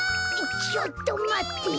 ちょっとまって。